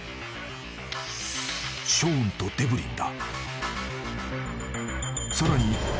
［ショーンとデブリンだ］